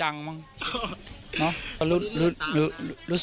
แล้วอันนี้ก็เปิดแล้ว